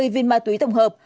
năm mươi viên ma túy tổng hợp